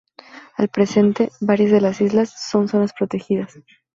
Al presente, varias de las islas son zonas protegidas.